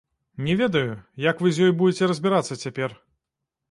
Не ведаю, як вы з ёй будзеце разбірацца цяпер.